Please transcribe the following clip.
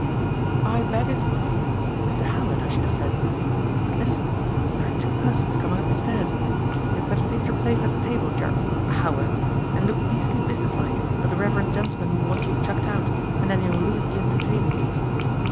"I beg his pardon. Mr. Howard, I should have said. But listen! There are two persons coming up the stairs. You had better take your place at the table, Ja Howard, and look beastly business like, or the reverend gentleman will want you chucked out, and then you'll lose the entertainment."